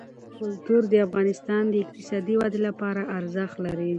کلتور د افغانستان د اقتصادي ودې لپاره ارزښت لري.